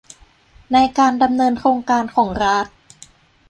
ในการดำเนินโครงการของรัฐ